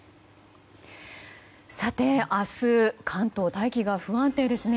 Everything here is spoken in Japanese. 明日、関東大気が不安定ですね。